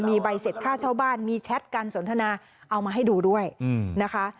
มีใบเสร็จค่าเช่าบ้านมีแชทการสนทนาเอามาให้ดูด้วยนะคะ